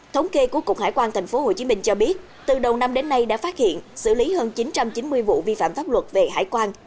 thống kê của cục hải quan tp hcm cho biết từ đầu năm đến nay đã phát hiện xử lý hơn chín trăm chín mươi vụ vi phạm pháp luật về hải quan